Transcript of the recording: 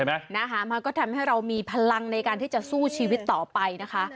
มันก็ทำให้เรามีพลังในการที่จะสู้ชีวิตต่อไปนะคะ